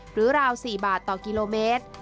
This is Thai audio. ราว๔บาทต่อกิโลเมตร